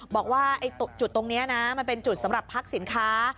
บอกว่าจุดตรงนี้นะมันเป็นจุดสำหรับพักสินค้า